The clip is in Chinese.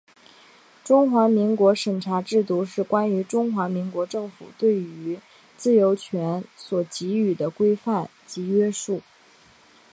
中华民国审查制度是关于中华民国政府对于自由权所给予的规范及约束。